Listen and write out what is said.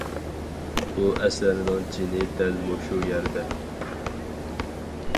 بۇ ئەسەرنىڭ جېنى دەل مۇشۇ يەردە.